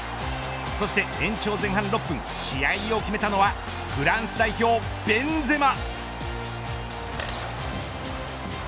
そして延長前半６分試合を決めたのはフランス代表、ベンゼマ。